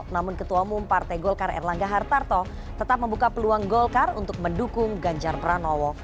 namun ketua umum partai golkar erlangga hartarto tetap membuka peluang golkar untuk mendukung ganjar pranowo